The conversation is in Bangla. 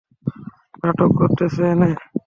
নাটক করতেছে এনে।